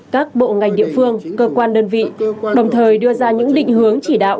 các bộ ngành địa phương cơ quan đơn vị đồng thời đưa ra những định hướng chỉ đạo